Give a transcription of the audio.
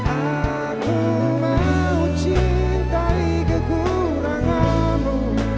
aku mau cintai kekurangamu